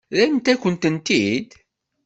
Rrant-akent-tent-id?